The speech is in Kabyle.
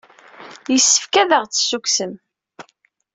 Yessefk ad aɣ-d-tessukksem.